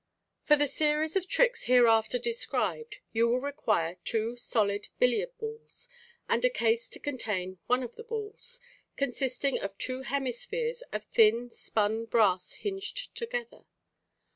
—For the series of tricks hereafter described, you will require two solid billiard balls and a case to contain one of the balls, consisting of two hemispheres of thin spun brass hinged together.